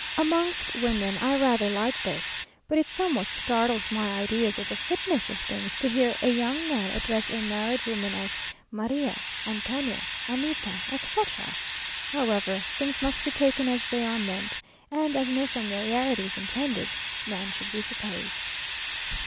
Amongst women I rather like this, but it somewhat startles my ideas of the fitness of things to hear a young man address a married woman as María, Antonia, Anita, etc. However, things must be taken as they are meant, and as no familiarity is intended, none should be supposed....